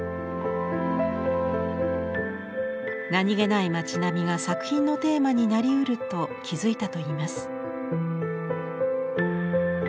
何気ない町並みが作品のテーマになりうると気付いたといいます。